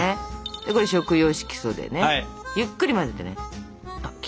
食用色素でねゆっくり混ぜてね。